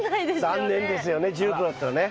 残念ですよね１０℃だったらね。